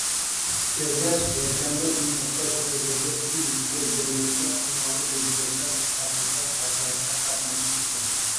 Ergash yakshanba kuni muhtoj oilaga uy qurib berayotgan Olmaliqlik deputatlar safida hasharda qatnashibdi.